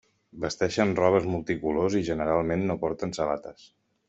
Vesteixen robes multicolors i generalment no porten sabates.